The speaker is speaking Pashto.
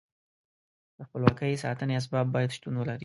د خپلواکۍ ساتنې اسباب باید شتون ولري.